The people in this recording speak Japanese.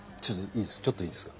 ちょっといいです？